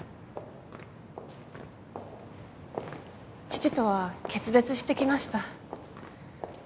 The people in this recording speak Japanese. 父とは決別してきました。